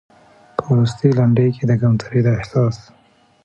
په وروستۍ لنډۍ کې د کمترۍ د احساس